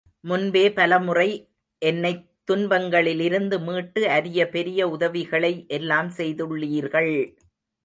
முன்பே பலமுறை என்னைத் துன்பங்களிலிருந்து மீட்டு அரிய பெரிய உதவிகளை எல்லாம் செய்துள்ளீர்கள்!